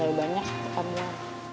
kalau bisa makan banyak akan muat